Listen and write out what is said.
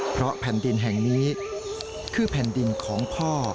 เพราะแผ่นดินแห่งนี้คือแผ่นดินของพ่อ